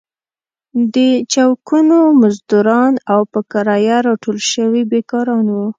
د چوکونو مزدوران او په کرايه راټول شوي بېکاران وو.